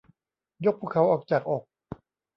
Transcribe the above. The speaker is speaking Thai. ยกภูเขาออกจากอก